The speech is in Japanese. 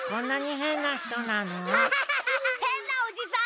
へんなおじさん！